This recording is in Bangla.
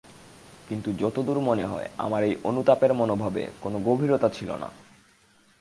কিন্তু যতদূর মনে হয় আমার এই অনুতাপের মনোভাবে কোনো গভীরতা ছিল না।